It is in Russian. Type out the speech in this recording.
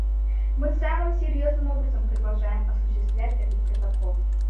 Мы самым серьезным образом продолжаем осуществлять этот Протокол.